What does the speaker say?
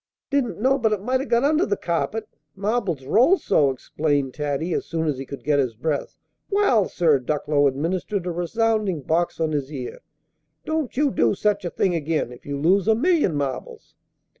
"Didn't know but it might 'a' got under the carpet, marbles roll so," explained Taddy, as soon as he could get his breath. "Wal, sir," Ducklow administered a resounding box on his ear, "don't you do such a thing again, if you lose a million marbles!"